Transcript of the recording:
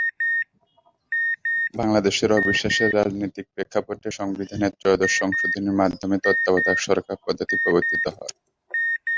বাংলাদেশের অবিশ্বাসের রাজনীতির প্রেক্ষাপটে সংবিধানের ত্রয়োদশ সংশোধনীর মাধ্যমে তত্ত্বাবধায়ক সরকারপদ্ধতি প্রবর্তিত হয়।